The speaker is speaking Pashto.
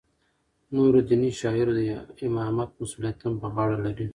نورو دیني شعایرو د امامت مسولیت هم په غاړه لری.